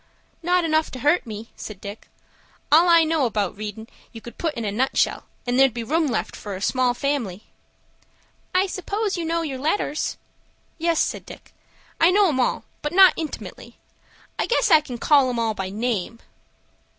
"Not enough to hurt me," said Dick. "All I know about readin' you could put in a nutshell, and there'd be room left for a small family." "I suppose you know your letters?" "Yes," said Dick, "I know 'em all, but not intimately. I guess I can call 'em all by name."